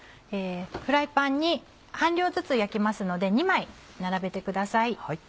フライパンに半量ずつ焼きますので２枚並べてください。